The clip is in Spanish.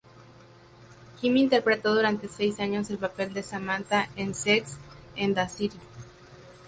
Kim interpretó durante seis años el papel de Samantha en "Sex and the City".